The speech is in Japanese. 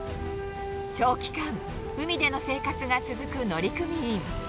長期間、海での生活が続く乗組員。